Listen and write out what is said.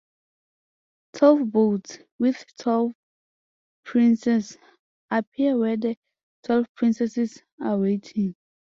Twelve boats, with twelve princes, appear where the twelve princesses are waiting.